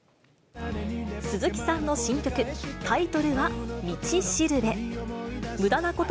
鈴木さんの新曲、タイトルは道導。